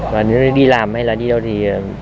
và nếu đi làm hay là đi đâu thì